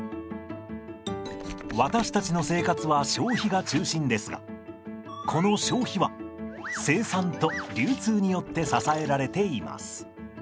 私たちの生活は消費が中心ですがこの消費は生産と流通によって支えられています。